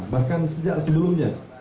bahkan sejak sebelumnya